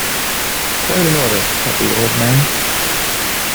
Quite in order, Tuppy, old man.